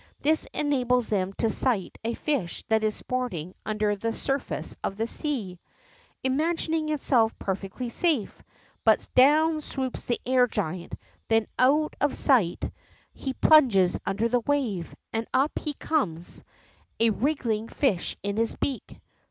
This enables them to sight a fish that is sporting under the sur face of the sea, imagining itself perfectly safe. But down swoops the air giant, then out of sight 60 THE ROCK FROG he plunges under the wave, and up he comes, a wriggling fish in his beak.